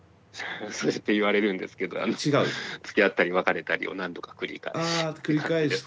そうやって言われるんですけどつきあったり別れたりを何度か繰り返し。